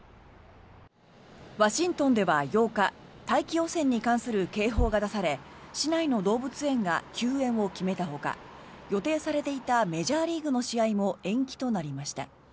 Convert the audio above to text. ワシントンでは８日大気汚染に関する警報が出され市内の動物園が休園を決めたほか予定されていたメジャーリーグの試合も延期となりました。